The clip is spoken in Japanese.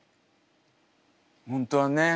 本当はね